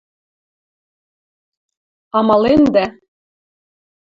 Амалендӓ?